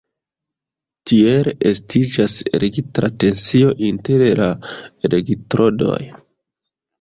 Tiel estiĝas elektra tensio inter la elektrodoj.